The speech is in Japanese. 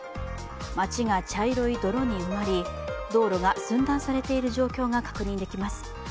街が茶色い泥に埋まり、道路が寸断されている状況が確認できます。